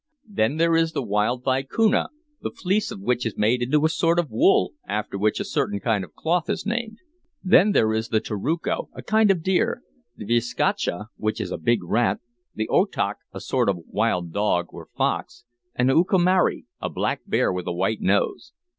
Then there is the wild vicuna, the fleece of which is made into a sort of wool, after which a certain kind of cloth is named. "Then there is the taruco, a kind of deer, the viscacha, which is a big rat, the otoc, a sort of wild dog, or fox, and the ucumari, a black bear with a white nose.